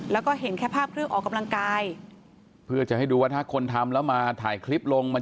แล้วก็เห็นแค่ภาพเครื่องออกกำลังกายเพื่อจะให้ดูว่าถ้าคนทำแล้วมาถ่ายคลิปลงมัน